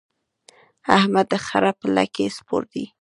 احمد د خره پر لکۍ سپور دی.